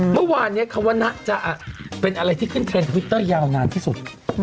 เมื่อวานนี้คำว่านะจะเป็นอะไรที่ขึ้นเทรนด์ทวิตเตอร์ยาวนานที่สุด